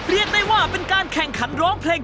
เรียกได้ว่าเป็นการแข่งขันร้องเพลง